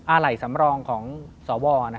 อะไรสำรองของสว